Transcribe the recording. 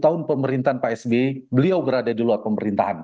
tahun pemerintahan pak sb beliau berada di luar pemerintahan